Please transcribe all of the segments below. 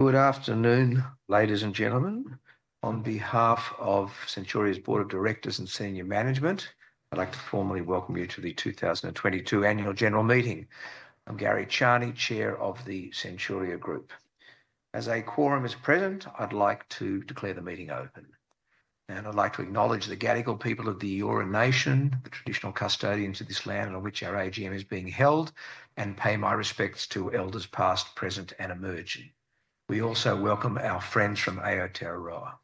Good afternoon, ladies and gentlemen. On behalf of Centuria's Board of Directors and Senior Management, I'd like to formally welcome you to the 2022 Annual General Meeting. I'm Garry Charny, Chair of the Centuria Group. As a quorum is present, I'd like to declare the meeting open, and I'd like to acknowledge the Gadigal people of the Eora Nation, the traditional custodians of this land on which our AGM is being held, and pay my respects to elders past, present, and emerging. We also welcome our friends from Aotearoa.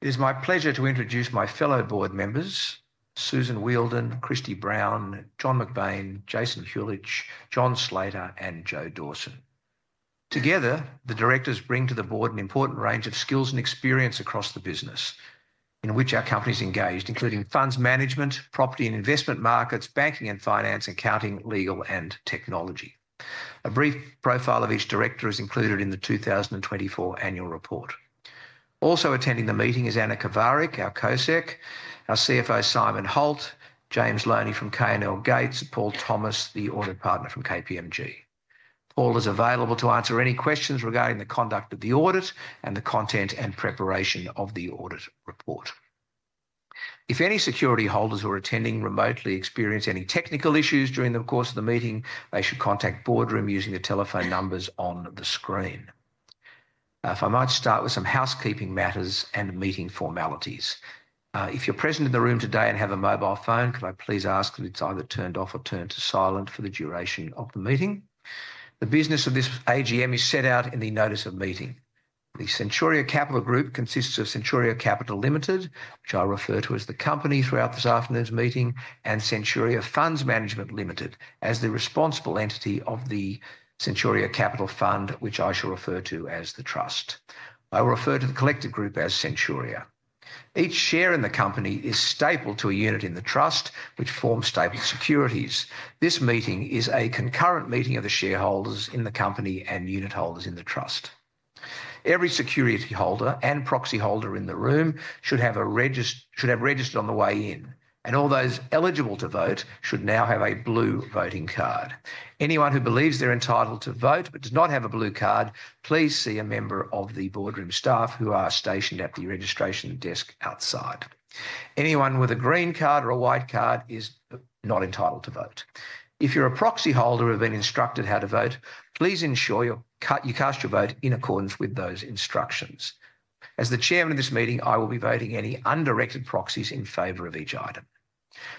It is my pleasure to introduce my fellow board members: Susan Wheeldon, Kristie Brown, John McBain, Jason Huljich, John Slater, and Joe Dawson. Together, the directors bring to the board an important range of skills and experience across the business in which our company is engaged, including funds management, property and investment markets, banking and finance, accounting, legal, and technology. A brief profile of each director is included in the 2024 Annual Report. Also attending the meeting is Anna Kovarik, our CoSec, our CFO Simon Holt, James Loney from K&L Gates, and Paul Thomas, the audit partner from KPMG. Paul is available to answer any questions regarding the conduct of the audit and the content and preparation of the audit report. If any security holders who are attending remotely experience any technical issues during the course of the meeting, they should contact Boardroom using the telephone numbers on the screen. If I might start with some housekeeping matters and meeting formalities. If you're present in the room today and have a mobile phone, could I please ask that it's either turned off or turned to silent for the duration of the meeting? The business of this AGM is set out in the Notice of Meeting. The Centuria Capital Group consists of Centuria Capital Limited, which I'll refer to as the company throughout this afternoon's meeting, and Centuria Funds Management Limited as the responsible entity of the Centuria Capital Fund, which I shall refer to as the Trust. I will refer to the collective group as Centuria. Each share in the company is stapled to a unit in the Trust, which forms stapled securities. This meeting is a concurrent meeting of the shareholders in the company and unit holders in the Trust. Every security holder and proxy holder in the room should have registered on the way in, and all those eligible to vote should now have a blue voting card. Anyone who believes they're entitled to vote but does not have a blue card, please see a member of the Boardroom staff who are stationed at the registration desk outside. Anyone with a green card or a white card is not entitled to vote. If you're a proxy holder who have been instructed how to vote, please ensure you cast your vote in accordance with those instructions. As the chairman of this meeting, I will be voting any undirected proxies in favor of each item.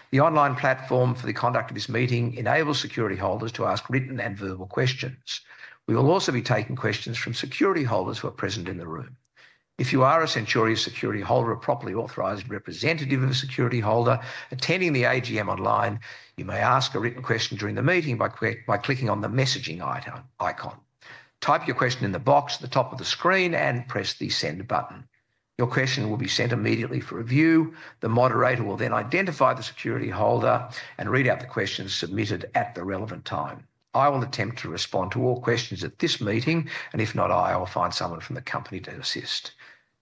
The online platform for the conduct of this meeting enables security holders to ask written and verbal questions. We will also be taking questions from security holders who are present in the room. If you are a Centuria security holder or properly authorized representative of a security holder attending the AGM online, you may ask a written question during the meeting by clicking on the messaging icon. Type your question in the box at the top of the screen and press the send button. Your question will be sent immediately for review. The moderator will then identify the security holder and read out the questions submitted at the relevant time. I will attempt to respond to all questions at this meeting, and if not, I will find someone from the company to assist.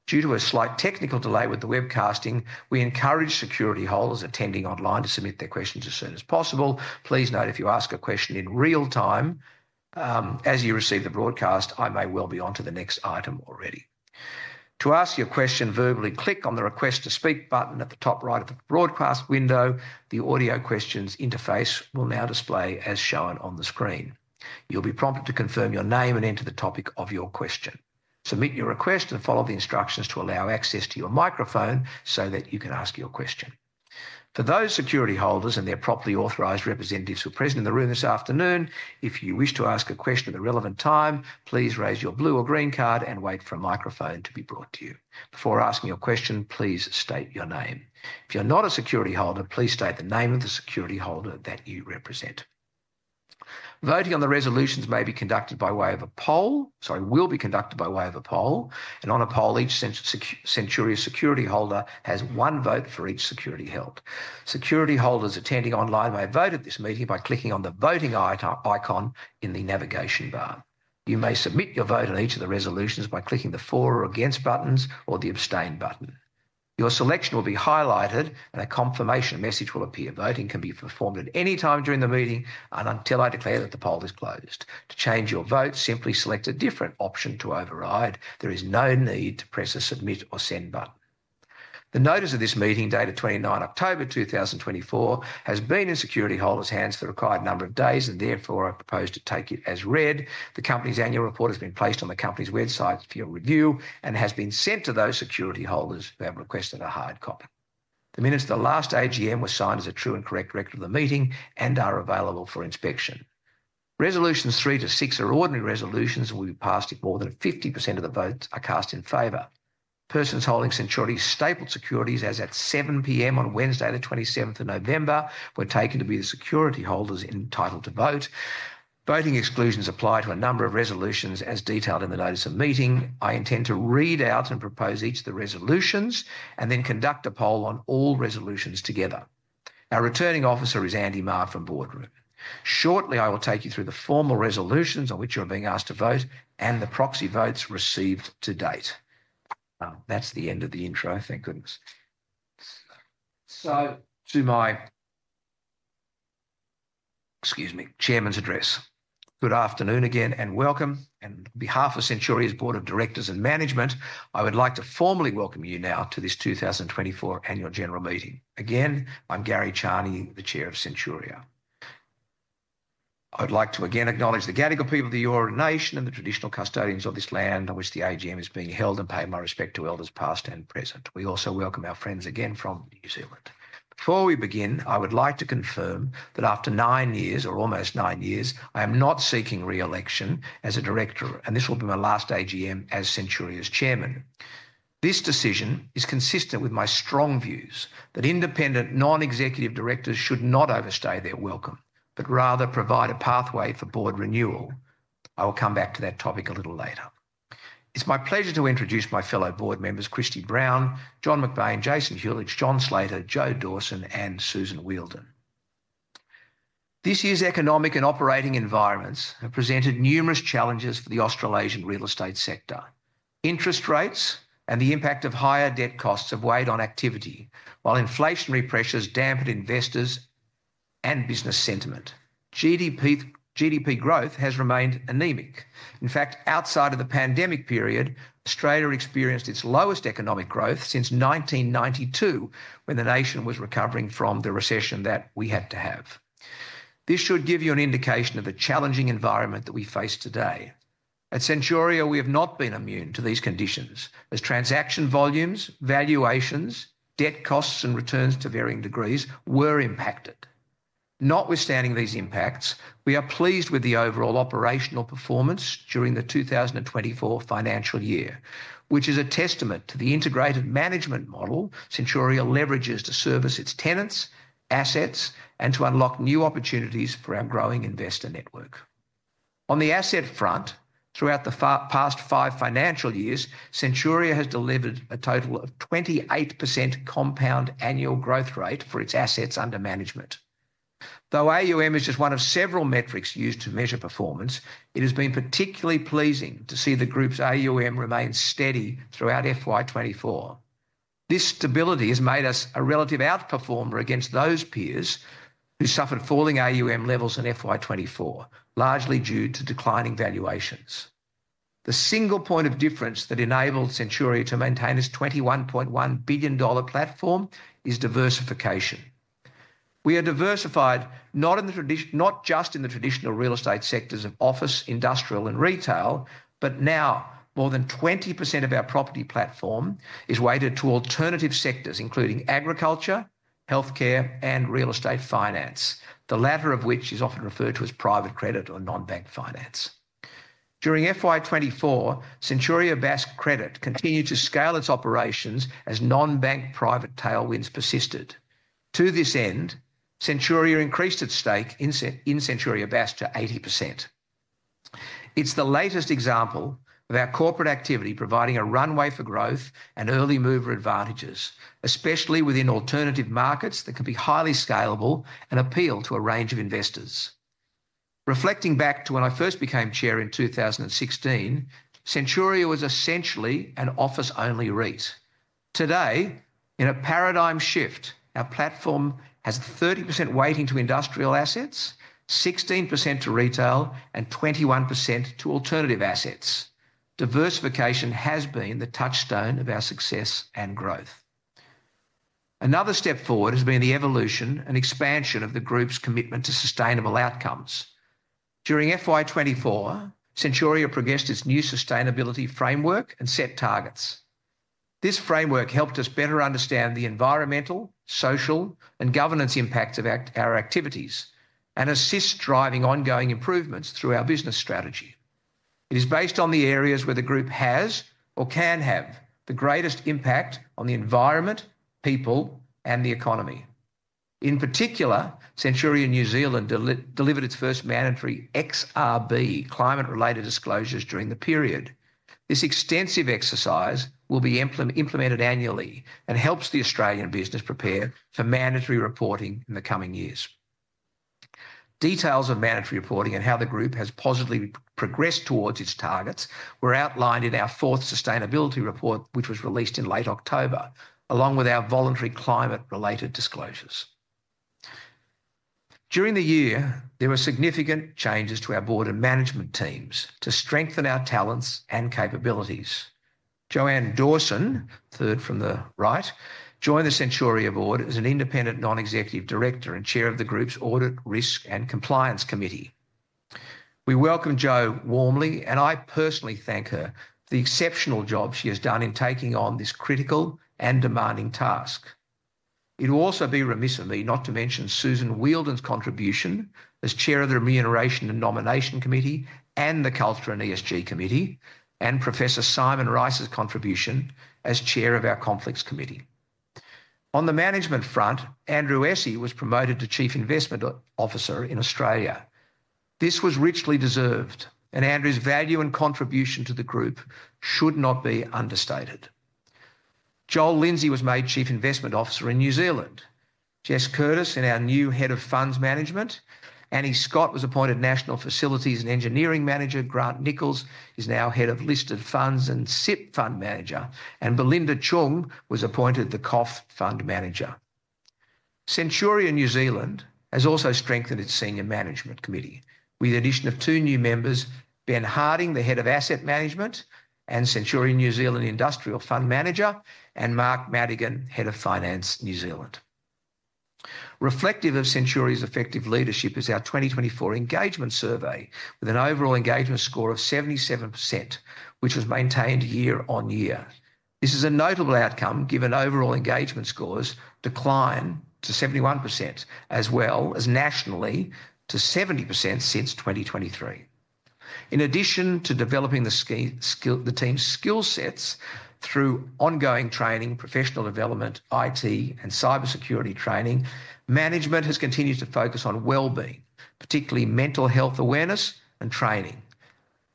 Due to a slight technical delay with the webcasting, we encourage security holders attending online to submit their questions as soon as possible. Please note, if you ask a question in real time as you receive the broadcast, I may well be on to the next item already. To ask your question verbally, click on the Request to Speak button at the top right of the broadcast window. The audio questions interface will now display as shown on the screen. You'll be prompted to confirm your name and enter the topic of your question. Submit your request and follow the instructions to allow access to your microphone so that you can ask your question. For those security holders and their properly authorized representatives who are present in the room this afternoon, if you wish to ask a question at the relevant time, please raise your blue or green card and wait for a microphone to be brought to you. Before asking your question, please state your name. If you're not a security holder, please state the name of the security holder that you represent. Voting on the resolutions may be conducted by way of a poll, sorry, will be conducted by way of a poll, and on a poll, each Centuria security holder has one vote for each security held. Security holders attending online may vote at this meeting by clicking on the voting icon in the navigation bar. You may submit your vote on each of the resolutions by clicking the for or against buttons or the abstain button. Your selection will be highlighted, and a confirmation message will appear. Voting can be performed at any time during the meeting and until I declare that the poll is closed. To change your vote, simply select a different option to override. There is no need to press a submit or send button. The notice of this meeting dated 29 October 2024 has been in security holders' hands for the required number of days, and therefore I propose to take it as read. The company's annual report has been placed on the company's website for your review and has been sent to those security holders who have requested a hard copy. The minutes of the last AGM were signed as a true and correct record of the meeting and are available for inspection. Resolutions three to six are ordinary resolutions, and we passed if more than 50% of the votes are cast in favor. Persons holding Centuria's stapled securities, as at 7:00 P.M. on Wednesday, the 27th of November, were taken to be the security holders entitled to vote. Voting exclusions apply to a number of resolutions as detailed in the notice of meeting. I intend to read out and propose each of the resolutions and then conduct a poll on all resolutions together. Our returning officer is Andy Marr from Boardroom. Shortly, I will take you through the formal resolutions on which you're being asked to vote and the proxy votes received to date. That's the end of the intro. Thank goodness. Excuse me, chairman's address, good afternoon again and welcome. On behalf of Centuria's Board of Directors and Management, I would like to formally welcome you now to this 2024 Annual General Meeting. Again, I'm Garry Charny, the Chair of Centuria. I would like to again acknowledge the Gadigal people of the Eora Nation and the traditional custodians of this land on which the AGM is being held and pay my respect to elders past and present. We also welcome our friends again from New Zealand. Before we begin, I would like to confirm that after nine years, or almost nine years, I am not seeking re-election as a director, and this will be my last AGM as Centuria's Chairman. This decision is consistent with my strong views that independent non-executive directors should not overstay their welcome, but rather provide a pathway for board renewal. I will come back to that topic a little later. It's my pleasure to introduce my fellow board members: Kristie Brown, John McBain, Jason Huljich, John Slater, Joe Dawson, and Susan Wheeldon. This year's economic and operating environments have presented numerous challenges for the Australasian real estate sector. Interest rates and the impact of higher debt costs have weighed on activity, while inflationary pressures dampened investors' and business sentiment. GDP growth has remained anemic. In fact, outside of the pandemic period, Australia experienced its lowest economic growth since 1992, when the nation was recovering from the recession that we had to have. This should give you an indication of the challenging environment that we face today. At Centuria, we have not been immune to these conditions, as transaction volumes, valuations, debt costs, and returns to varying degrees were impacted. Notwithstanding these impacts, we are pleased with the overall operational performance during the 2024 financial year, which is a testament to the integrated management model Centuria leverages to service its tenants, assets, and to unlock new opportunities for our growing investor network. On the asset front, throughout the past five financial years, Centuria has delivered a total of 28% compound annual growth rate for its assets under management. Though AUM is just one of several metrics used to measure performance, it has been particularly pleasing to see the group's AUM remain steady throughout FY24. This stability has made us a relative outperformer against those peers who suffered falling AUM levels in FY24, largely due to declining valuations. The single point of difference that enabled Centuria to maintain its AUD 21.1 billion platform is diversification. We are diversified not just in the traditional real estate sectors of office, industrial, and retail, but now more than 20% of our property platform is weighted to alternative sectors, including agriculture, healthcare, and real estate finance, the latter of which is often referred to as private credit or non-bank finance. During FY24, Centuria Bass Credit continued to scale its operations as non-bank private tailwinds persisted. To this end, Centuria increased its stake in Centuria Bass to 80%. It's the latest example of our corporate activity providing a runway for growth and early mover advantages, especially within alternative markets that can be highly scalable and appeal to a range of investors. Reflecting back to when I first became chair in 2016, Centuria was essentially an office-only REIT. Today, in a paradigm shift, our platform has 30% weighting to industrial assets, 16% to retail, and 21% to alternative assets. Diversification has been the touchstone of our success and growth. Another step forward has been the evolution and expansion of the group's commitment to sustainable outcomes. During FY24, Centuria progressed its new sustainability framework and set targets. This framework helped us better understand the environmental, social, and governance impacts of our activities and assists in driving ongoing improvements through our business strategy. It is based on the areas where the group has or can have the greatest impact on the environment, people, and the economy. In particular, Centuria New Zealand delivered its first mandatory XRB climate-related disclosures during the period. This extensive exercise will be implemented annually and helps the Australian business prepare for mandatory reporting in the coming years. Details of mandatory reporting and how the group has positively progressed towards its targets were outlined in our fourth sustainability report, which was released in late October, along with our voluntary climate-related disclosures. During the year, there were significant changes to our board and management teams to strengthen our talents and capabilities. Joanne Dawson, third from the right, joined the Centuria board as an independent non-executive director and chair of the group's audit, risk, and compliance committee. We welcome Jo warmly, and I personally thank her for the exceptional job she has done in taking on this critical and demanding task. It will also be remiss of me not to mention Susan Wheeldon's contribution as chair of the remuneration and nomination committee and the Culture and ESG Committee, and Professor Simon Rice's contribution as chair of our conflicts committee. On the management front, Andrew Essey was promoted to Chief Investment Officer in Australia. This was richly deserved, and Andrew's value and contribution to the group should not be understated. Joel Lindsay was made Chief Investment Officer in New Zealand. Jesse Curtis as our new head of funds management, Annie Scott, was appointed National Facilities and Engineering Manager. Grant Nichols is now head of listed funds and CIP fund manager, and Belinda Cheung was appointed the COF fund manager. Centuria New Zealand has also strengthened its senior management committee with the addition of two new members, Ben Harding, the head of asset management and Centuria New Zealand industrial fund manager, and Mark Madigan, head of finance New Zealand. Reflective of Centuria's effective leadership is our 2024 engagement survey with an overall engagement score of 77%, which was maintained year on year. This is a notable outcome given overall engagement scores declining to 71%, as well as nationally to 70% since 2023. In addition to developing the team's skill sets through ongoing training, professional development, IT, and cybersecurity training, management has continued to focus on well-being, particularly mental health awareness and training.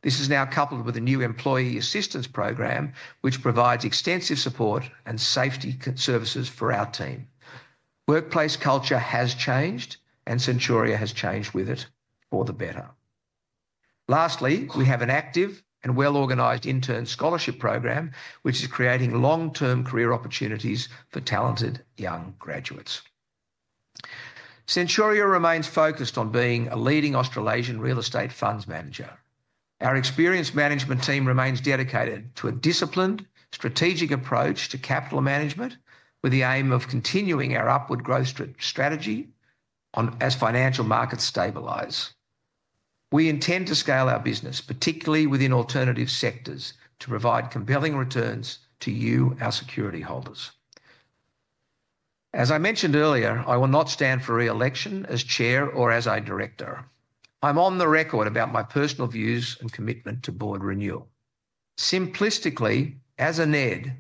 This is now coupled with a new employee assistance program, which provides extensive support and safety services for our team. Workplace culture has changed, and Centuria has changed with it for the better. Lastly, we have an active and well-organized intern scholarship program, which is creating long-term career opportunities for talented young graduates. Centuria remains focused on being a leading Australasian real estate funds manager. Our experienced management team remains dedicated to a disciplined, strategic approach to capital management with the aim of continuing our upward growth strategy as financial markets stabilise. We intend to scale our business, particularly within alternative sectors, to provide compelling returns to you, our security holders. As I mentioned earlier, I will not stand for re-election as chair or as a director. I'm on the record about my personal views and commitment to board renewal. Simplistically, as a NED,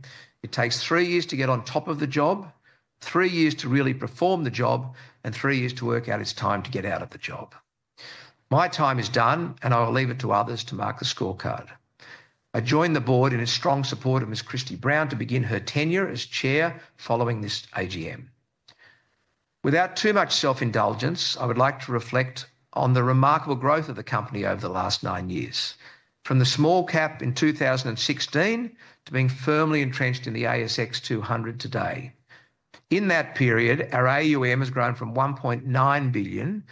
it takes three years to get on top of the job, three years to really perform the job, and three years to work out it's time to get out of the job. My time is done, and I will leave it to others to mark the scorecard. I joined the board in strong support of Miss Kristie Brown to begin her tenure as chair following this AGM. Without too much self-indulgence, I would like to reflect on the remarkable growth of the company over the last nine years, from the small cap in 2016 to being firmly entrenched in the ASX 200 today. In that period, our AUM has grown from 1.9 billion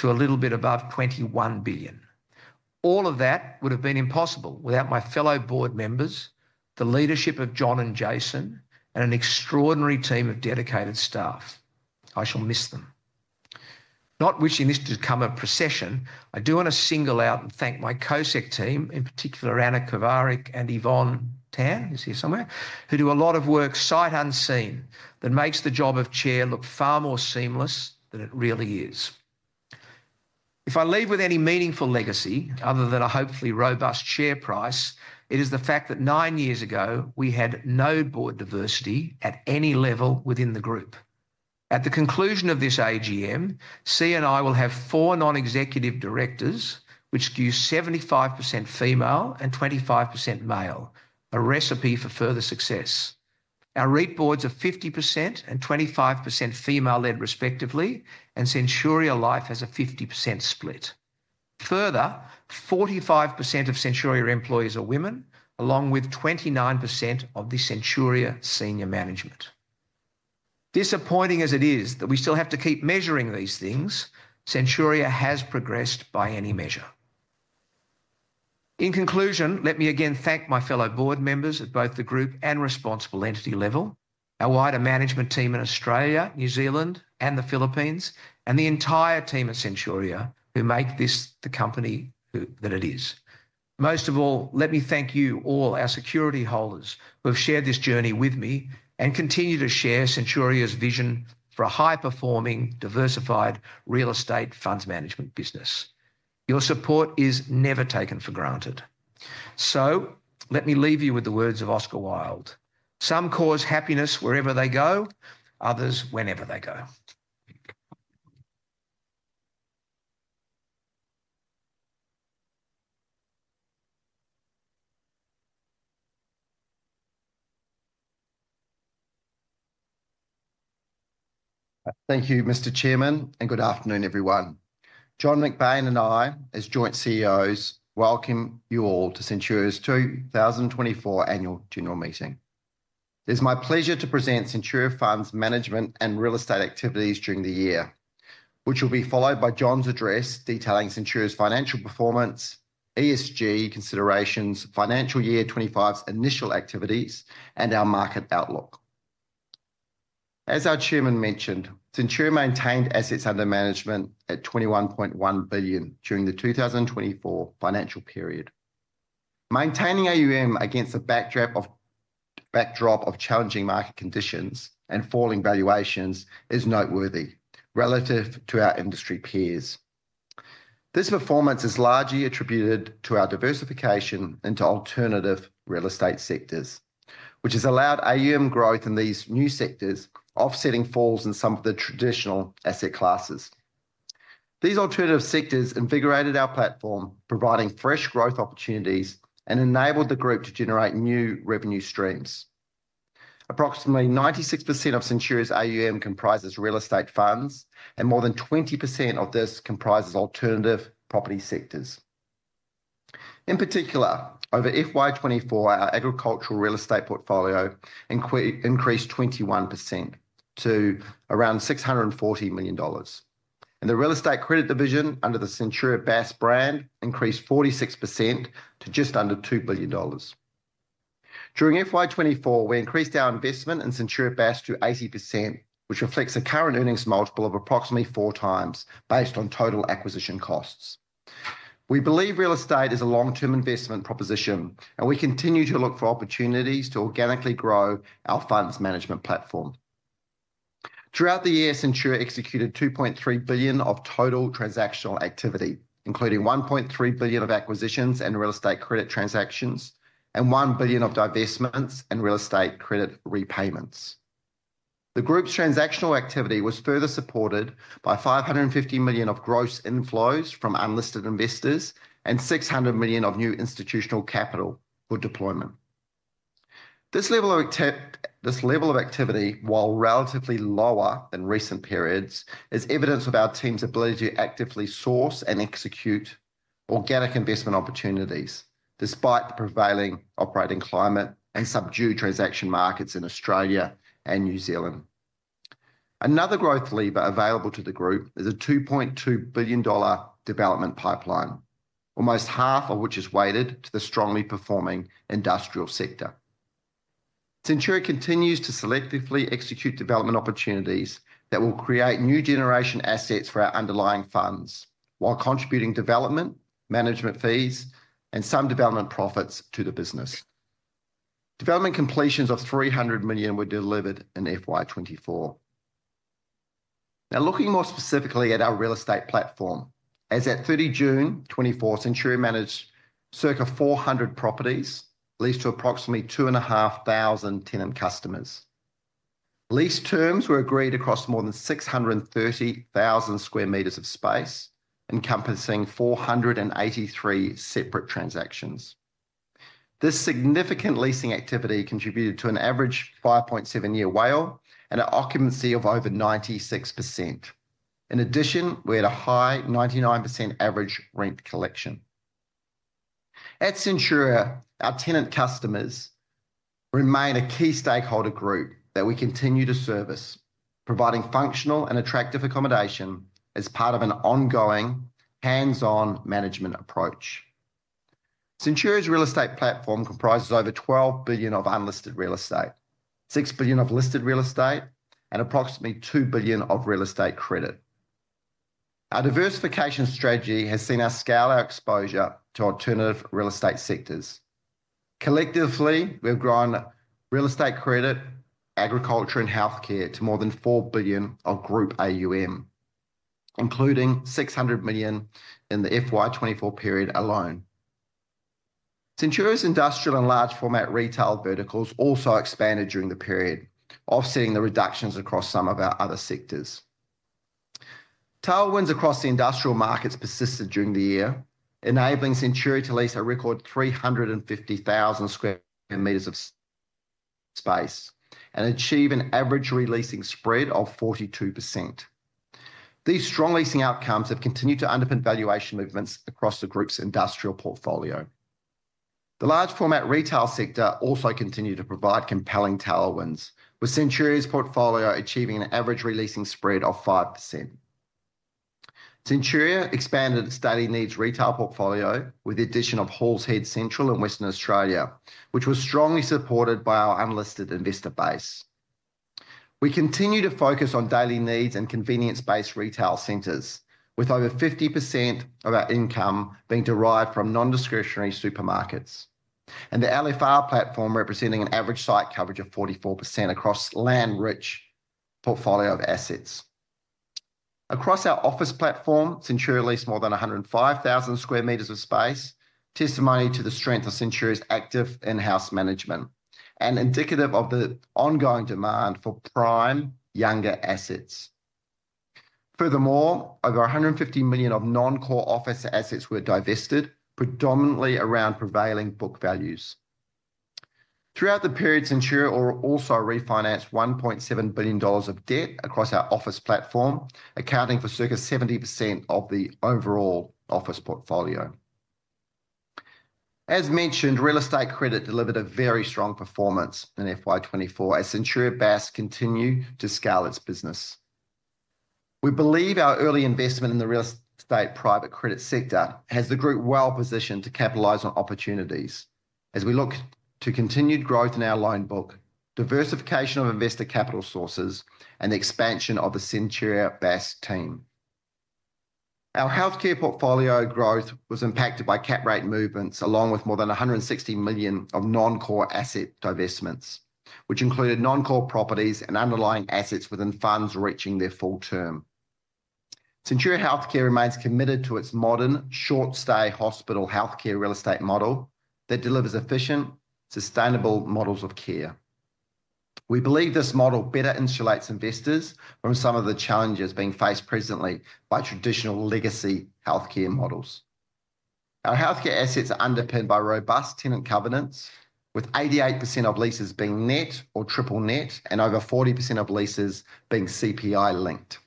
to a little bit above 21 billion. All of that would have been impossible without my fellow board members, the leadership of John and Jason, and an extraordinary team of dedicated staff. I shall miss them. Not wishing this to become a procession, I do want to single out and thank my COSEC team, in particular Anna Kovarik and Yvonne Tan, they're here somewhere, who do a lot of work sight unseen that makes the job of chair look far more seamless than it really is. If I leave with any meaningful legacy other than a hopefully robust share price, it is the fact that nine years ago we had no board diversity at any level within the group. At the conclusion of this AGM, CNI will have four non-executive directors, which skew 75% female and 25% male, a recipe for further success. Our REIT boards are 50% and 25% female-led, respectively, and Centuria Life has a 50% split. Further, 45% of Centuria employees are women, along with 29% of the Centuria senior management. Disappointing as it is that we still have to keep measuring these things, Centuria has progressed by any measure. In conclusion, let me again thank my fellow board members at both the group and responsible entity level, our wider management team in Australia, New Zealand, and the Philippines, and the entire team at Centuria who make this the company that it is. Most of all, let me thank you all, our security holders, who have shared this journey with me and continue to share Centuria's vision for a high-performing, diversified real estate funds management business. Your support is never taken for granted. So let me leave you with the words of Oscar Wilde: "Some cause happiness wherever they go, others whenever they go." Thank you, Mr. Chairman, and good afternoon, everyone. John McBain and I, as joint CEOs, welcome you all to Centuria's 2024 annual general meeting. It is my pleasure to present Centuria Capital Fund's management and real estate activities during the year, which will be followed by John's address detailing Centuria's financial performance, ESG considerations, financial year 2025's initial activities, and our market outlook. As our chairman mentioned, Centuria maintained assets under management at 21.1 billion during the 2024 financial period. Maintaining AUM against the backdrop of challenging market conditions and falling valuations is noteworthy relative to our industry peers. This performance is largely attributed to our diversification into alternative real estate sectors, which has allowed AUM growth in these new sectors, offsetting falls in some of the traditional asset classes. These alternative sectors invigorated our platform, providing fresh growth opportunities and enabled the group to generate new revenue streams. Approximately 96% of Centuria's AUM comprises real estate funds, and more than 20% of this comprises alternative property sectors. In particular, over FY24, our agricultural real estate portfolio increased 21% to around 640 million dollars, and the real estate credit division under the Centuria Bass brand increased 46% to just under 2 billion dollars. During FY24, we increased our investment in Centuria Bass to 80%, which reflects a current earnings multiple of approximately four times based on total acquisition costs. We believe real estate is a long-term investment proposition, and we continue to look for opportunities to organically grow our funds management platform. Throughout the year, Centuria executed 2.3 billion of total transactional activity, including 1.3 billion of acquisitions and real estate credit transactions and 1 billion of divestments and real estate credit repayments. The group's transactional activity was further supported by 550 million of gross inflows from unlisted investors and 600 million of new institutional capital for deployment. This level of activity, while relatively lower than recent periods, is evidence of our team's ability to actively source and execute organic investment opportunities, despite the prevailing operating climate and subdued transaction markets in Australia and New Zealand. Another growth lever available to the group is a 2.2 billion dollar development pipeline, almost half of which is weighted to the strongly performing industrial sector. Centuria continues to selectively execute development opportunities that will create new generation assets for our underlying funds, while contributing development, management fees, and some development profits to the business. Development completions of 300 million were delivered in FY24. Now, looking more specifically at our real estate platform, as at 30 June 2024, Centuria managed circa 400 properties leased to approximately 2,500 tenant customers. Lease terms were agreed across more than 630,000 square meters of space, encompassing 483 separate transactions. This significant leasing activity contributed to an average 5.7-year WALE and an occupancy of over 96%. In addition, we had a high 99% average rent collection. At Centuria, our tenant customers remain a key stakeholder group that we continue to service, providing functional and attractive accommodation as part of an ongoing hands-on management approach. Centuria's real estate platform comprises over 12 billion of unlisted real estate, 6 billion of listed real estate, and approximately 2 billion of real estate credit. Our diversification strategy has seen us scale our exposure to alternative real estate sectors. Collectively, we have grown real estate credit, agriculture, and healthcare to more than 4 billion of group AUM, including 600 million in the FY24 period alone. Centuria's industrial and large-format retail verticals also expanded during the period, offsetting the reductions across some of our other sectors. Tailwinds across the industrial markets persisted during the year, enabling Centuria to lease a record 350,000 square meters of space and achieve an average releasing spread of 42%. These strong leasing outcomes have continued to underpin valuation movements across the group's industrial portfolio. The large-format retail sector also continued to provide compelling tailwinds, with Centuria's portfolio achieving an average releasing spread of 5%. Centuria expanded its daily needs retail portfolio with the addition of Halls Head Central in Western Australia, which was strongly supported by our unlisted investor base. We continue to focus on daily needs and convenience-based retail centers, with over 50% of our income being derived from non-discretionary supermarkets and the LFR platform representing an average site coverage of 44% across land-rich portfolio of assets. Across our office platform, Centuria leased more than 105,000 square meters of space, testament to the strength of Centuria's active in-house management and indicative of the ongoing demand for prime younger assets. Furthermore, over 150 million of non-core office assets were divested, predominantly around prevailing book values. Throughout the period, Centuria also refinanced 1.7 billion dollars of debt across our office platform, accounting for circa 70% of the overall office portfolio. As mentioned, real estate credit delivered a very strong performance in FY24 as Centuria Bass continued to scale its business. We believe our early investment in the real estate private credit sector has the group well positioned to capitalize on opportunities as we look to continued growth in our loan book, diversification of investor capital sources, and the expansion of the Centuria Bass team. Our healthcare portfolio growth was impacted by cap rate movements, along with more than 160 million of non-core asset divestments, which included non-core properties and underlying assets within funds reaching their full term. Centuria Healthcare remains committed to its modern short-stay hospital healthcare real estate model that delivers efficient, sustainable models of care. We believe this model better insulates investors from some of the challenges being faced presently by traditional legacy healthcare models. Our healthcare assets are underpinned by robust tenant covenants, with 88% of leases being net or triple net and over 40% of leases being CPI linked.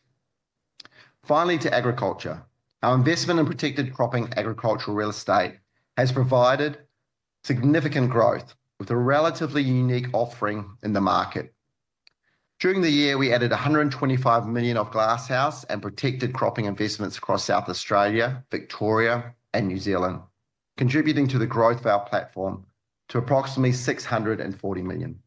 Finally, to agriculture, our investment in protected cropping agricultural real estate has provided significant growth with a relatively unique offering in the market. During the year, we added 125 million of glasshouse and protected cropping investments across South Australia, Victoria, and New Zealand, contributing to the growth of our platform to approximately 640 million.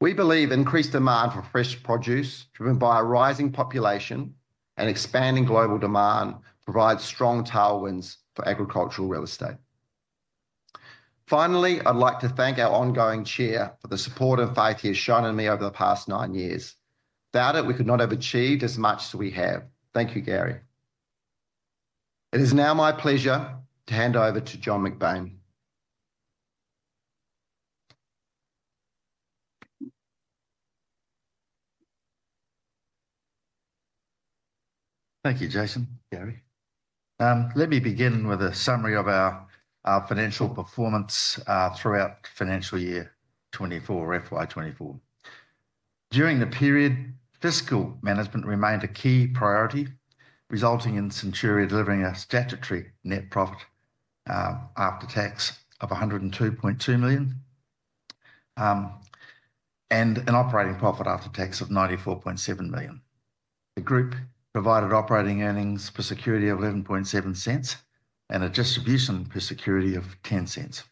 We believe increased demand for fresh produce, driven by a rising population and expanding global demand, provides strong tailwinds for agricultural real estate. Finally, I'd like to thank our ongoing chair for the support and faith he has shown in me over the past nine years. Without it, we could not have achieved as much as we have. Thank you, Garry. It is now my pleasure to hand over to John McBain. Thank you, Jason. Garry, let me begin with a summary of our financial performance throughout financial year 2024, FY24. During the period, fiscal management remained a key priority, resulting in Centuria delivering a statutory net profit after tax of 102.2 million and an operating profit after tax of 94.7 million. The group provided operating earnings per security of 0.117 and a distribution per security of 0.10.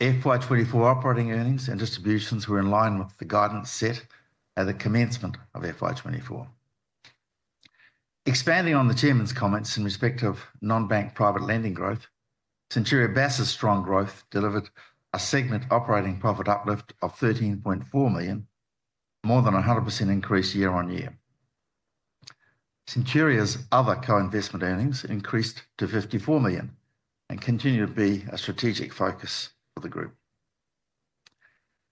FY24 operating earnings and distributions were in line with the guidance set at the commencement of FY24. Expanding on the chairman's comments in respect of non-bank private lending growth, Centuria Bass Credit's strong growth delivered a segment operating profit uplift of 13.4 million, more than a 100% increase year on year. Centuria's other co-investment earnings increased to 54 million and continue to be a strategic focus for the group.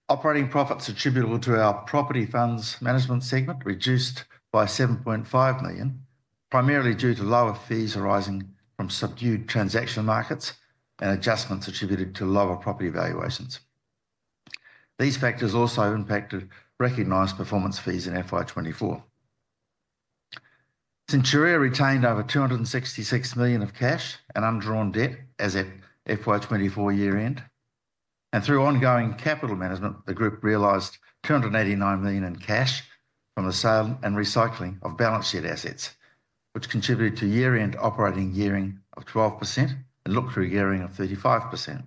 Operating profits attributable to our property funds management segment reduced by 7.5 million, primarily due to lower fees arising from subdued transaction markets and adjustments attributed to lower property valuations. These factors also impacted recognized performance fees in FY24. Centuria retained over $266 million of cash and undrawn debt as at FY24 year-end, and through ongoing capital management, the group realised $289 million in cash from the sale and recycling of balance sheet assets, which contributed to year-end operating gearing of 12% and look-through gearing of 35%.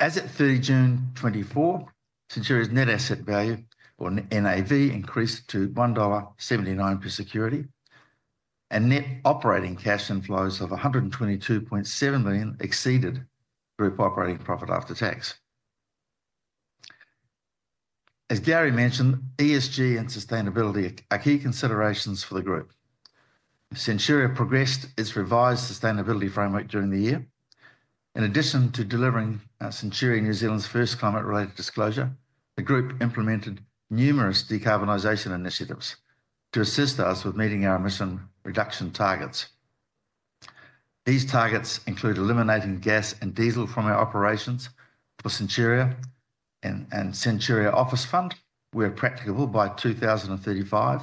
As at 30 June 2024, Centuria's net asset value, or NAV, increased to $1.79 per security, and net operating cash inflows of $122.7 million exceeded group operating profit after tax. As Garry mentioned, ESG and sustainability are key considerations for the group. Centuria progressed its revised sustainability framework during the year. In addition to delivering Centuria New Zealand's first climate-related disclosure, the group implemented numerous decarbonization initiatives to assist us with meeting our emission reduction targets. These targets include eliminating gas and diesel from our operations for Centuria and Centuria Office REIT, where practicable by 2035,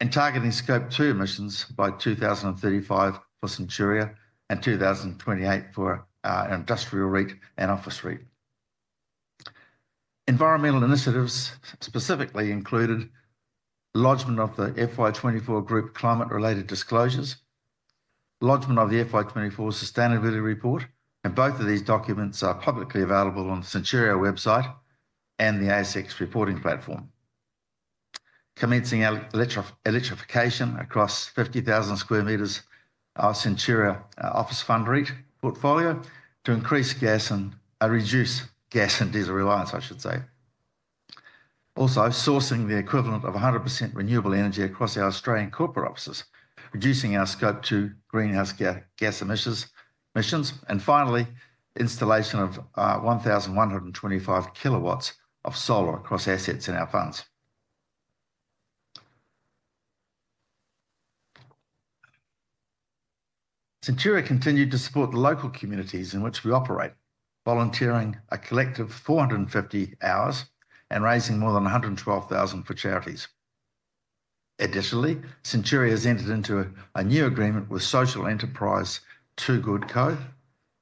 and targeting Scope 2 emissions by 2035 for Centuria and 2028 for industrial REIT and office REIT. Environmental initiatives specifically included lodgment of the FY24 group climate-related disclosures, lodgment of the FY24 sustainability report, and both of these documents are publicly available on the Centuria website and the ASX reporting platform. Commencing electrification across 50,000 square meters of Centuria Office REIT portfolio to increase gas and reduce gas and diesel reliance, I should say. Also, sourcing the equivalent of 100% renewable energy across our Australian corporate offices, reducing our Scope 2 greenhouse gas emissions, and finally, installation of 1,125 kilowatts of solar across assets in our funds. Centuria continued to support the local communities in which we operate, volunteering a collective 450 hours and raising more than 112,000 for charities. Additionally, Centuria has entered into a new agreement with social enterprise Two Good Co,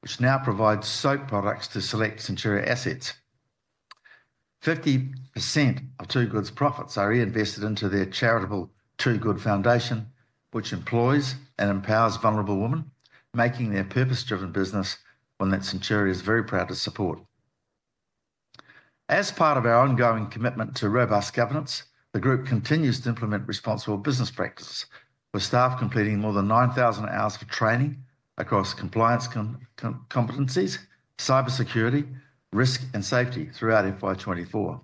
which now provides soap products to select Centuria assets. 50% of Two Good's profits are reinvested into their charitable Two Good Foundation, which employs and empowers vulnerable women, making their purpose-driven business one that Centuria is very proud to support. As part of our ongoing commitment to robust governance, the group continues to implement responsible business practices, with staff completing more than 9,000 hours for training across compliance competencies, cybersecurity, risk, and safety throughout FY24.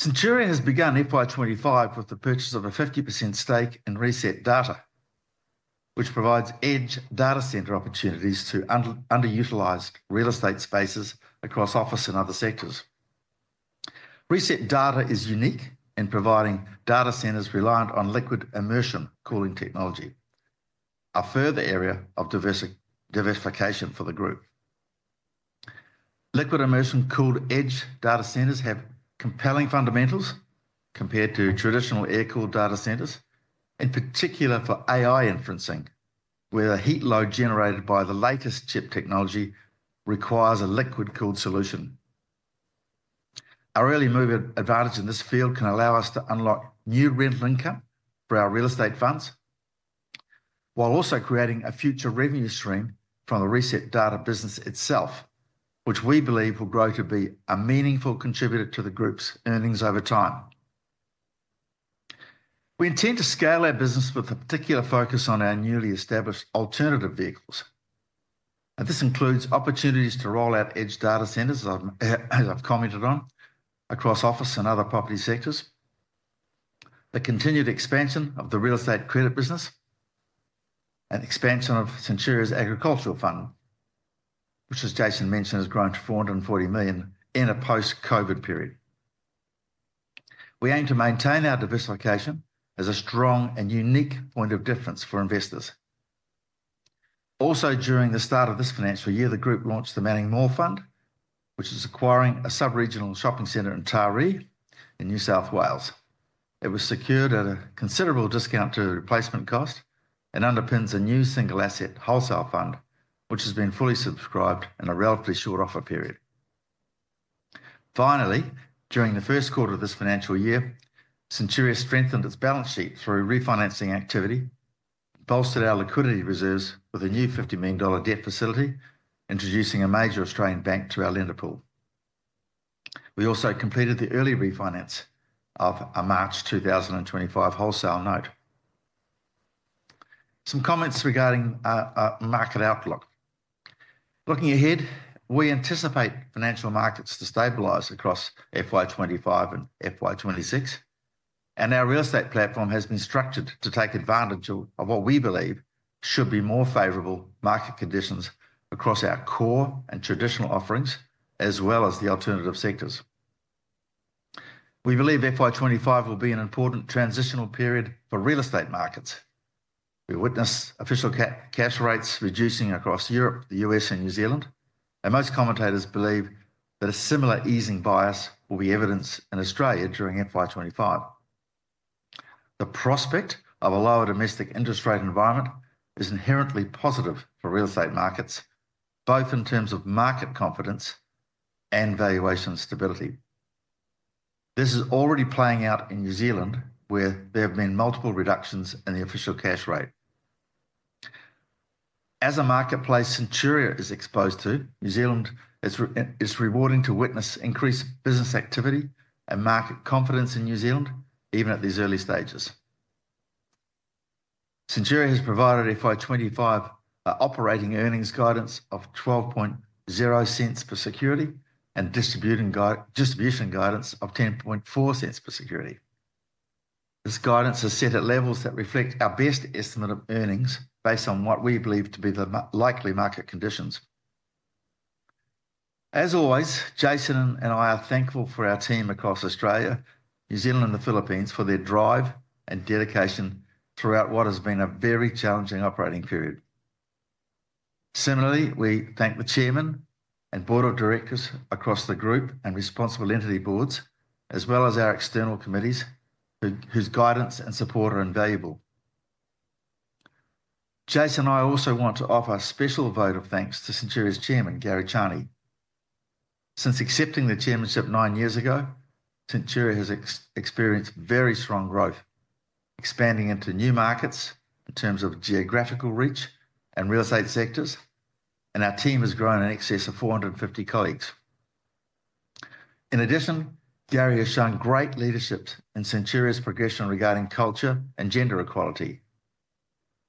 Centuria has begun FY25 with the purchase of a 50% stake in ResetData, which provides edge data center opportunities to underutilized real estate spaces across office and other sectors. ResetData is unique in providing data centers reliant on liquid immersion cooling technology, a further area of diversification for the group. Liquid immersion cooled edge data centers have compelling fundamentals compared to traditional air-cooled data centers, in particular for AI inferencing, where the heat load generated by the latest chip technology requires a liquid-cooled solution. Our early move advantage in this field can allow us to unlock new rental income for our real estate funds, while also creating a future revenue stream from the ResetData business itself, which we believe will grow to be a meaningful contributor to the group's earnings over time. We intend to scale our business with a particular focus on our newly established alternative vehicles, and this includes opportunities to roll out edge data centers, as I've commented on, across office and other property sectors, the continued expansion of the real estate credit business, and expansion of Centuria's agricultural fund, which, as Jason mentioned, has grown to 440 million in a post-COVID period. We aim to maintain our diversification as a strong and unique point of difference for investors. Also, during the start of this financial year, the group launched the Manning Mall Fund, which is acquiring a sub-regional shopping center in Taree in New South Wales. It was secured at a considerable discount to replacement cost and underpins a new single-asset wholesale fund, which has been fully subscribed in a relatively short offer period. Finally, during the first quarter of this financial year, Centuria strengthened its balance sheet through refinancing activity, bolstered our liquidity reserves with a new 50 million dollar debt facility, introducing a major Australian bank to our lender pool. We also completed the early refinance of a March 2025 wholesale note. Some comments regarding market outlook. Looking ahead, we anticipate financial markets to stabilize across FY25 and FY26, and our real estate platform has been structured to take advantage of what we believe should be more favorable market conditions across our core and traditional offerings, as well as the alternative sectors. We believe FY25 will be an important transitional period for real estate markets. We witness official cash rates reducing across Europe, the U.S., and New Zealand, and most commentators believe that a similar easing bias will be evidenced in Australia during FY25. The prospect of a lower domestic interest rate environment is inherently positive for real estate markets, both in terms of market confidence and valuation stability. This is already playing out in New Zealand, where there have been multiple reductions in the official cash rate. As a marketplace Centuria is exposed to, New Zealand is rewarding to witness increased business activity and market confidence in New Zealand, even at these early stages. Centuria has provided FY25 operating earnings guidance of 0.120 per security and distribution guidance of 0.104 per security. This guidance is set at levels that reflect our best estimate of earnings based on what we believe to be the likely market conditions. As always, Jason and I are thankful for our team across Australia, New Zealand, and the Philippines for their drive and dedication throughout what has been a very challenging operating period. Similarly, we thank the chairman and board of directors across the group and responsible entity boards, as well as our external committees whose guidance and support are invaluable. Jason and I also want to offer a special vote of thanks to Centuria's chairman, Garry Charny. Since accepting the chairmanship nine years ago, Centuria has experienced very strong growth, expanding into new markets in terms of geographical reach and real estate sectors, and our team has grown in excess of 450 colleagues. In addition, Garry has shown great leadership in Centuria's progression regarding culture and gender equality.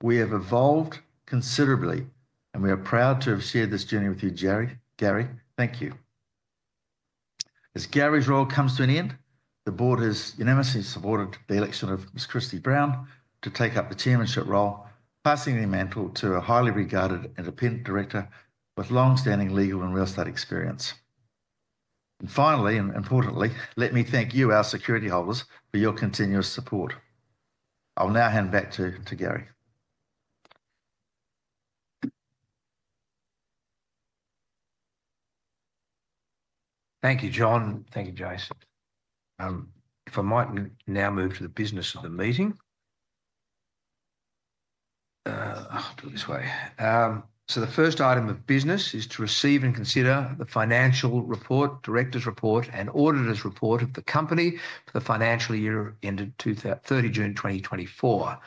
We have evolved considerably, and we are proud to have shared this journey with you, Garry. Garry, thank you. As Garry's role comes to an end, the board has unanimously supported the election of Miss Kristie Brown to take up the chairmanship role, passing the mantle to a highly regarded and independent director with long-standing legal and real estate experience, and finally, and importantly, let me thank you, our security holders, for your continuous support. I'll now hand back to Garry. Thank you, John. Thank you, Jason. If I might now move to the business of the meeting, I'll do it this way, so the first item of business is to receive and consider the financial report, director's report, and auditor's report of the company for the financial year ended 30 June 2024.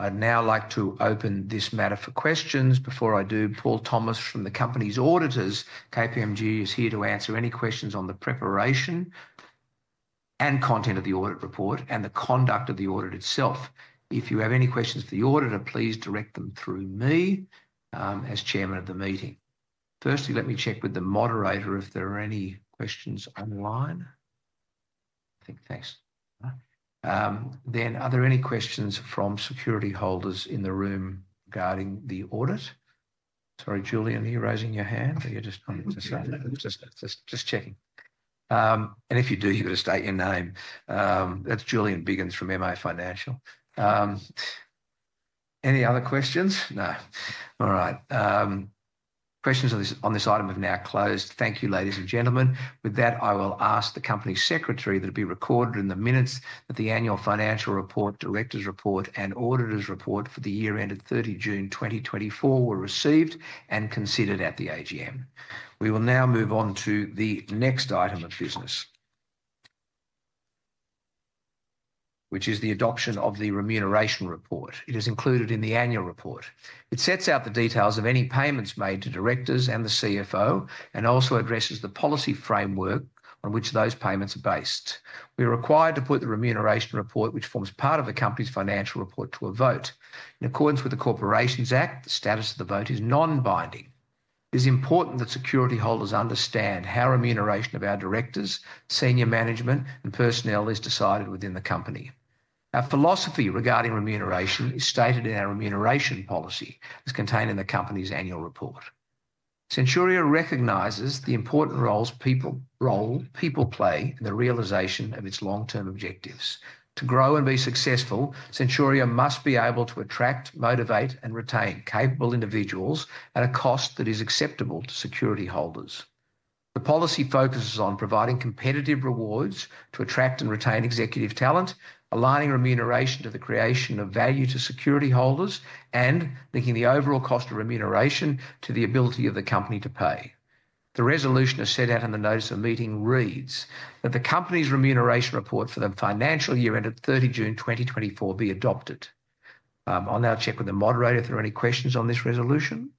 I'd now like to open this matter for questions. Before I do, Paul Thomas from the company's auditors, KPMG, is here to answer any questions on the preparation and content of the audit report and the conduct of the audit itself. If you have any questions for the auditor, please direct them through me as chairman of the meeting. Firstly, let me check with the moderator if there are any questions online. I think, thanks. Then, are there any questions from security holders in the room regarding the audit? Sorry, Julian, are you raising your hand or you're just trying to say? Just checking. And if you do, you've got to state your name. That's Julian Biggins from MA Financial. Any other questions? No. All right. Questions on this item have now closed. Thank you, ladies and gentlemen. With that, I will ask the company secretary that it be recorded in the minutes that the annual financial report, director's report, and auditor's report for the year-ended 30 June 2024 were received and considered at the AGM. We will now move on to the next item of business, which is the adoption of the remuneration report. It is included in the annual report. It sets out the details of any payments made to directors and the CFO, and also addresses the policy framework on which those payments are based. We are required to put the remuneration report, which forms part of the company's financial report, to a vote. In accordance with the Corporations Act, the status of the vote is non-binding. It is important that security holders understand how remuneration of our directors, senior management, and personnel is decided within the company. Our philosophy regarding remuneration is stated in our remuneration policy as contained in the company's annual report. Centuria recognizes the important roles people play in the realization of its long-term objectives. To grow and be successful, Centuria must be able to attract, motivate, and retain capable individuals at a cost that is acceptable to security holders. The policy focuses on providing competitive rewards to attract and retain executive talent, aligning remuneration to the creation of value to security holders, and linking the overall cost of remuneration to the ability of the company to pay. The resolution is set out in the notice of meeting, reads that the company's remuneration report for the financial year-ended 30 June 2024 be adopted. I'll now check with the moderator if there are any questions on this resolution.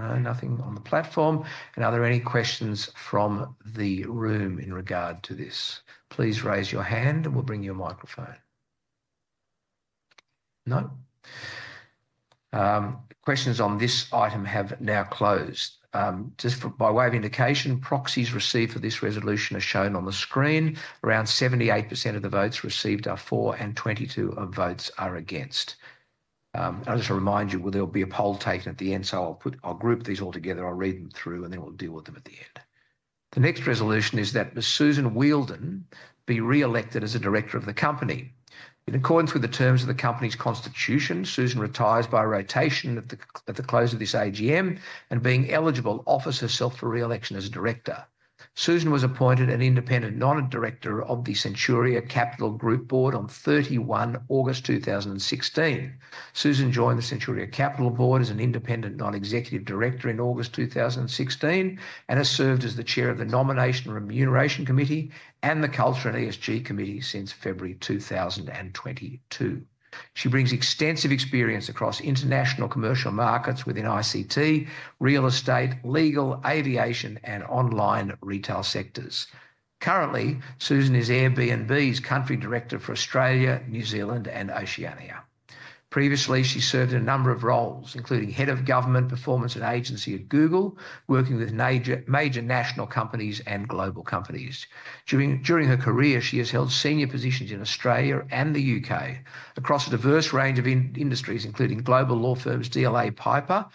No, nothing on the platform. And are there any questions from the room in regard to this? Please raise your hand and we'll bring you a microphone. No? Questions on this item have now closed. Just by way of indication, proxies received for this resolution are shown on the screen. Around 78% of the votes received are for, and 22% of votes are against. I'll just remind you, there'll be a poll taken at the end, so I'll group these all together, I'll read them through, and then we'll deal with them at the end. The next resolution is that Ms. Susan Wheeldon be re-elected as a director of the company. In accordance with the terms of the company's constitution, Susan retires by rotation at the close of this AGM, and being eligible, offers herself for re-election as a director. Susan was appointed an independent non-executive director of the Centuria Capital Group board on 31 August 2016. Susan joined the Centuria Capital board as an Independent Non-Executive Director in August 2016 and has served as the Chair of the nomination and remuneration committee and the culture and ESG committee since February 2022. She brings extensive experience across international commercial markets within ICT, real estate, legal, aviation, and online retail sectors. Currently, Susan is Airbnb's country director for Australia, New Zealand, and Oceania. Previously, she served in a number of roles, including head of government performance and agency at Google, working with major national companies and global companies. During her career, she has held senior positions in Australia and the U.K. across a diverse range of industries, including global law firms DLA Piper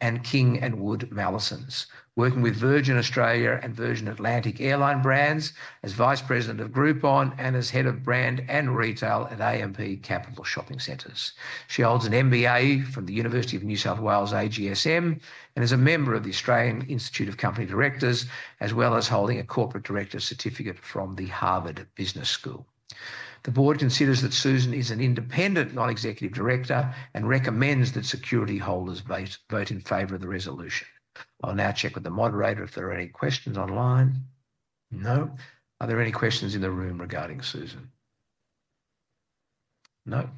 and King & Wood Mallesons, working with Virgin Australia and Virgin Atlantic airline brands as vice president of Groupon and as head of brand and retail at AMP Capital Shopping Centres. She holds an MBA from the University of New South Wales AGSM and is a member of the Australian Institute of Company Directors, as well as holding a corporate director certificate from the Harvard Business School. The board considers that Susan is an independent non-executive director and recommends that security holders vote in favor of the resolution. I'll now check with the moderator if there are any questions online. No. Are there any questions in the room regarding Susan? No. In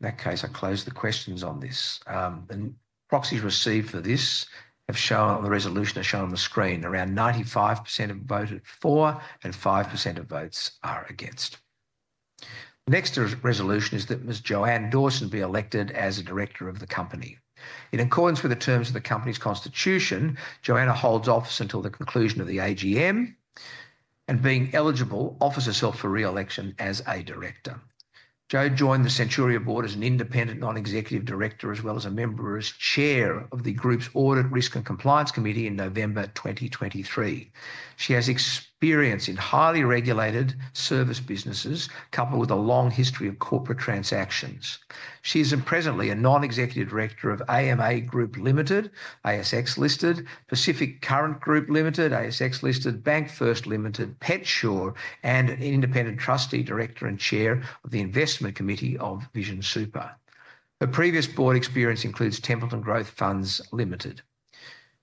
that case, I close the questions on this. The proxies received for this have shown the resolution as shown on the screen. Around 95% have voted for, and 5% of votes are against. The next resolution is that Ms. Joanne Dawson be elected as a director of the company. In accordance with the terms of the company's constitution, Joanne holds office until the conclusion of the AGM and, being eligible, offers herself for re-election as a director. Jo joined the Centuria board as an independent non-executive director, as well as a member and chair of the group's audit, risk, and compliance committee in November 2023. She has experience in highly regulated service businesses, coupled with a long history of corporate transactions. She is presently a non-executive director of AMA Group Limited, ASX-listed, Pacific Current Group Limited, ASX-listed, Bank First Limited, PetSure, and an independent trustee director and chair of the investment committee of Vision Super. Her previous board experience includes Templeton Growth Funds Limited.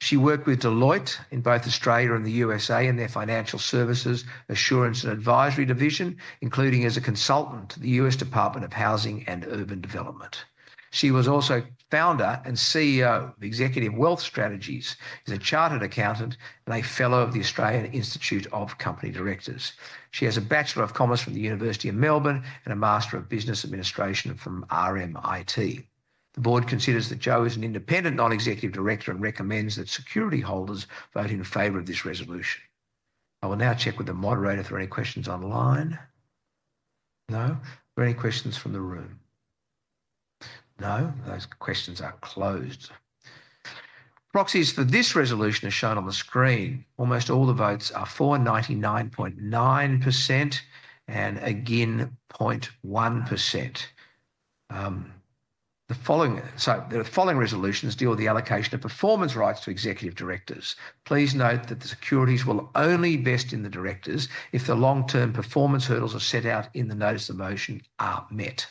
She worked with Deloitte in both Australia and the USA in their financial services, assurance, and advisory division, including as a consultant to the U.S. Department of Housing and Urban Development. She was also founder and CEO of Executive Wealth Strategies, is a chartered accountant, and a fellow of the Australian Institute of Company Directors. She has a Bachelor of Commerce from the University of Melbourne and a Master of Business Administration from RMIT. The board considers that Jo is an independent non-executive director and recommends that security holders vote in favor of this resolution. I will now check with the moderator if there are any questions online. No. Are there any questions from the room? No. Those questions are closed. Proxies for this resolution are shown on the screen. Almost all the votes are for, 99.9%, and again, 0.1%. The following resolutions deal with the allocation of performance rights to executive directors. Please note that the securities will only vest in the directors if the long-term performance hurdles set out in the notice of motion are met.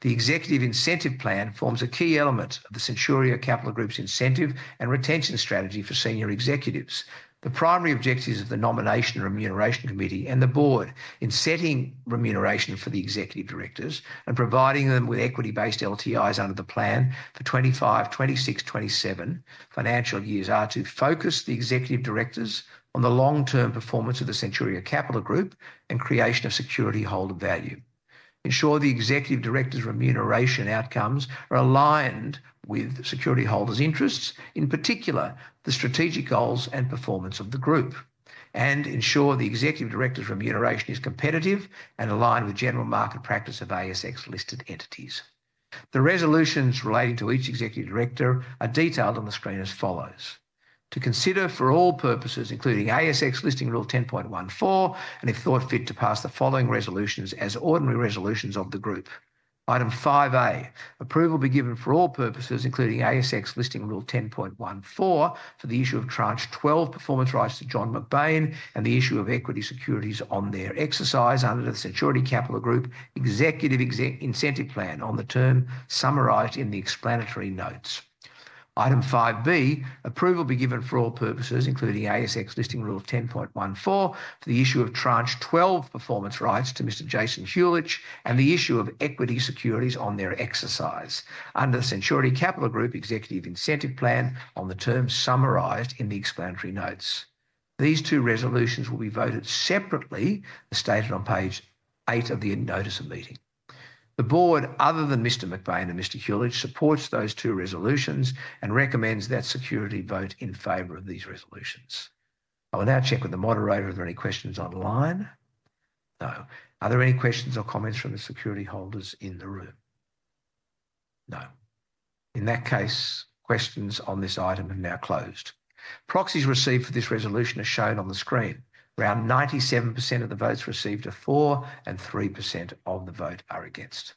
The Executive Incentive Plan forms a key element of the Centuria Capital Group's incentive and retention strategy for senior executives. The primary objectives of the nomination and remuneration committee and the board in setting remuneration for the executive directors and providing them with equity-based LTIs under the plan for 2025, 2026, 2027 financial years are to focus the executive directors on the long-term performance of the Centuria Capital Group and creation of security holder value. Ensure the executive directors' remuneration outcomes are aligned with security holders' interests, in particular the strategic goals and performance of the group, and ensure the executive directors' remuneration is competitive and aligned with general market practice of ASX-listed entities. The resolutions relating to each executive director are detailed on the screen as follows. To consider for all purposes, including ASX Listing Rule 10.14, and if thought fit to pass the following resolutions as ordinary resolutions of the group. Item 5A, approval be given for all purposes, including ASX Listing Rule 10.14, for the issue of tranche 12 performance rights to John McBain and the issue of equity securities on their exercise under the Centuria Capital Group Executive Incentive Plan on the term summarised in the explanatory notes. Item 5B, approval be given for all purposes, including ASX Listing Rule 10.14, for the issue of tranche 12 performance rights to Mr. Jason Huljich and the issue of equity securities on their exercise under the Centuria Capital Group Executive Incentive Plan on the term summarised in the explanatory notes. These two resolutions will be voted separately, as stated on page eight of the notice of meeting. The board, other than Mr. McBain and Mr. Huljich supports those two resolutions and recommends that securityholders vote in favor of these resolutions. I will now check with the moderator if there are any questions online. No. Are there any questions or comments from the securityholders in the room? No. In that case, questions on this item have now closed. Proxies received for this resolution are shown on the screen. Around 97% of the votes received are for, and 3% of the votes are against.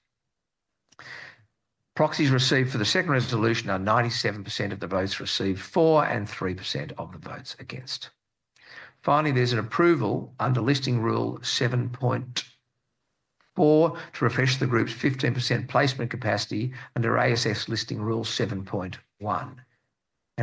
Proxies received for the second resolution are 97% of the votes received for, and 3% of the votes against. Finally, there's an approval under Listing Rule 7.4 to refresh the group's 15% placement capacity under ASX Listing Rule 7.1.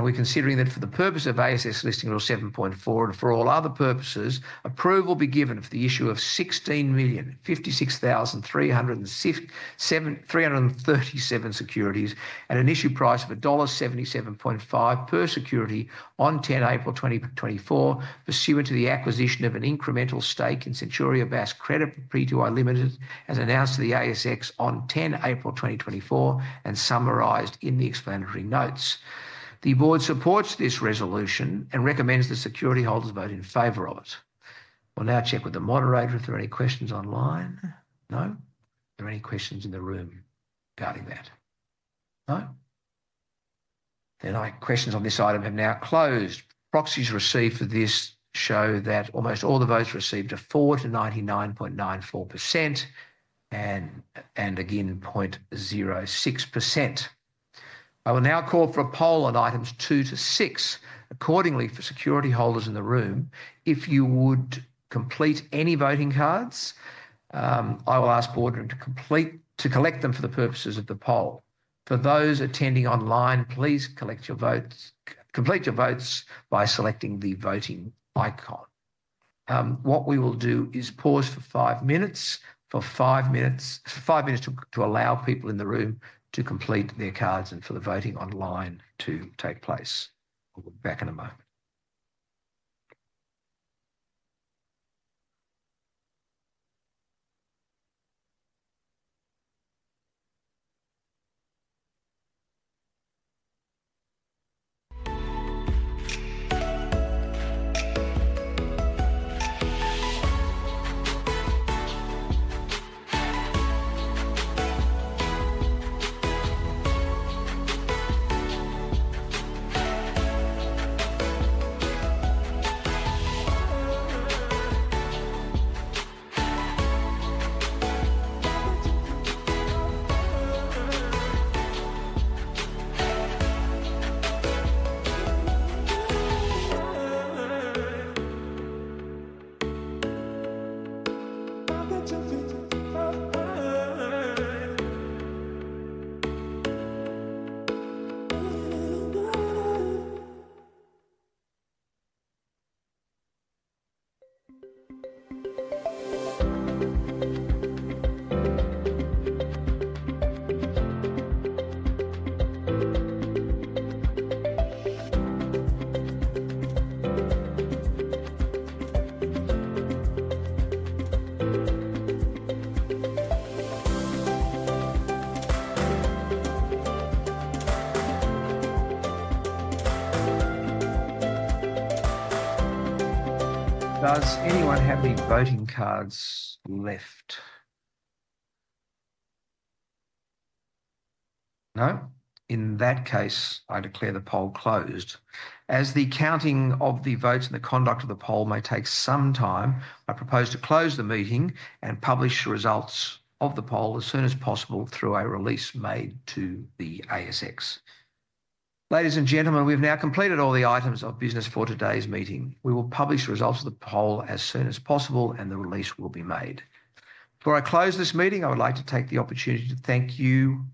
We're considering that for the purpose of ASX Listing Rule 7.4 and for all other purposes, approval be given for the issue of 16,056,337 securities at an issue price of dollar 1.775 per security on 10 April 2024, pursuant to the acquisition of an incremental stake in Centuria Bass Credit Pty Limited, as announced to the ASX on 10 April 2024 and summarised in the explanatory notes. The board supports this resolution and recommends the security holders vote in favour of it. I'll now check with the moderator if there are any questions online. No. Are there any questions in the room regarding that? No? Then questions on this item have now closed. Proxies received for this show that almost all the votes received are for, to 99.94%, and again, 0.06%. I will now call for a poll on items two to six. Accordingly, for security holders in the room, if you would complete any voting cards, I will ask Boardroom to collect them for the purposes of the poll. For those attending online, please complete your votes by selecting the voting icon. What we will do is pause for five minutes to allow people in the room to complete their cards and for the voting online to take place. We'll be back in a moment. Does anyone have any voting cards left? No? In that case, I declare the poll closed. As the counting of the votes and the conduct of the poll may take some time, I propose to close the meeting and publish the results of the poll as soon as possible through a release made to the ASX. Ladies and gentlemen, we have now completed all the items of business for today's meeting. We will publish the results of the poll as soon as possible, and the release will be made. Before I close this meeting, I would like to take the opportunity to thank you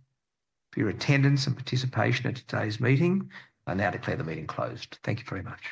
for your attendance and participation at today's meeting. I now declare the meeting closed. Thank you very much.